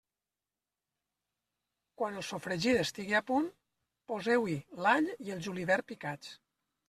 Quan el sofregit estigui a punt, poseu-hi l'all i el julivert picats.